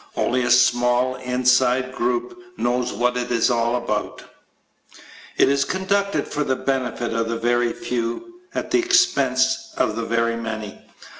Only a small "inside" group knows what it is about. It is conducted for the benefit of the very few, at the expense of the very many.